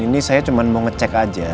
ini saya cuma mau ngecek aja